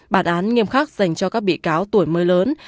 bản án nghiêm khắc dành cho các bị cáo tuổi mới lớn